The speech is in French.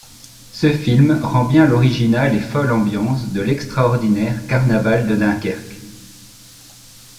Ce film rend bien l'originale et folle ambiance de l'extraordinaire Carnaval de Dunkerque.